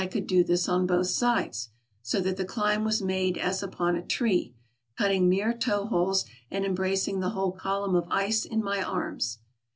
could do this on both sides ; so that the climb was made as upon a tree, cutting mere toe holes and embracing the whole column of ice in my arms.